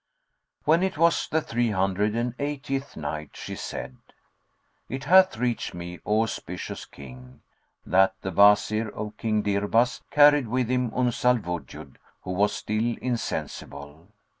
When it was the Three Hundred and Eightieth Night, She said, It hath reached me, O auspicious King, that the Wazir of King Dirbas carried with him Uns al Wujud who was still insensible.